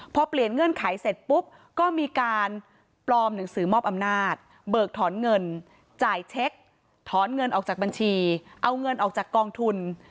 พอเปลี่ยนเงื่อนไขเสร็จปุ๊บก็มีการปลอมหนังสือมอบอำนาจเบิกถอนเงินจ่ายเช็คถอนเงินออกจากบัญชีเอาเงินออกจากกองทุน